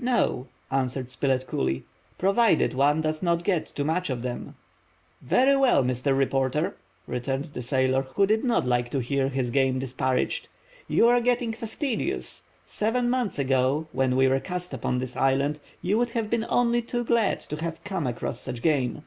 "No," answered Spilett coolly, "provided one does not get too much of them—" "Very well, Mr. Reporter!" returned the sailor, who did not like to hear his game disparaged. "You are getting fastidious! Seven months ago, when we were cast upon this island, you would have been only too glad to have come across such game."